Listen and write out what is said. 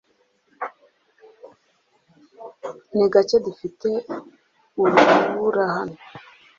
Ni gake dufite urubura hano .